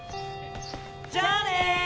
じゃあね！